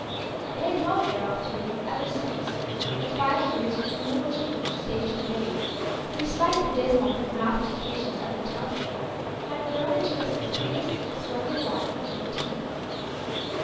They had dwelt there, all three, ever since, the quiet years bringing little change save to the babe, who despite the dismal prognostications of the townspeople had grown into a slender serious lad of fifteen.